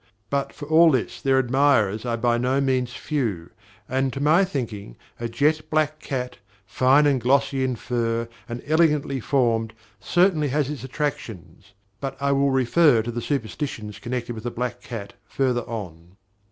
But, for all this, their admirers are by no means few; and, to my thinking, a jet black cat, fine and glossy in fur and elegantly formed, certainly has its attractions; but I will refer to the superstitions connected with the black cat further on.